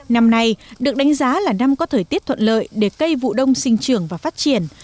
năm nay được đánh giá là năm có thời tiết thuận lợi để cây vụ đông sinh trường và phát triển